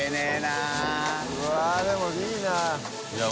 うわっでもいいな。